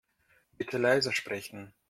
Bitte leiser sprechen.